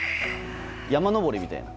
山登りみたいな。